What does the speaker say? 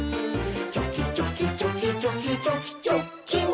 「チョキチョキチョキチョキチョキチョッキン！」